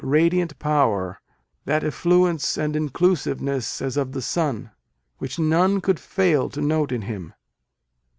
radiant power, that "effluence and inclusiveness as of the sun," which none could fail to note in him.